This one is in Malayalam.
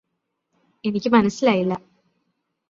എനിക്ക് മനസ്സിലായില്ല